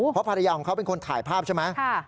เพราะภรรยาของเขาเป็นคนถ่ายภาพใช่ไหม